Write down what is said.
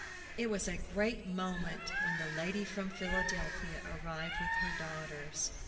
It was a great moment when the lady from Philadelphia arrived with her daughters.